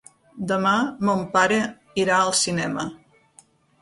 Demà mon pare irà al cinema.